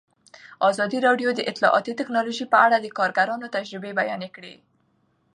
ازادي راډیو د اطلاعاتی تکنالوژي په اړه د کارګرانو تجربې بیان کړي.